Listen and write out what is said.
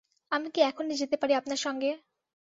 আমি কি এখনই যেতে পারি আপনার সঙ্গে?